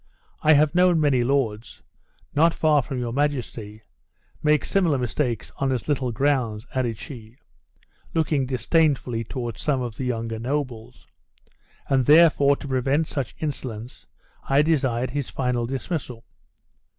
I have known many lords, not far from your majesty, make similar mistakes on as little grounds," added she, looking disdainfully toward some of the younger nobles; "and, therefore, to prevent such insolence, I desired his final dismission."